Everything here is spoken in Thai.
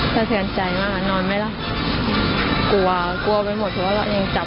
ก็เซอร์นใจมากนอนไม่เล่า